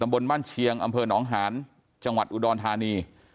บนบ้านเชียงอำเภอหนองหานจังหวัดอุดรธานี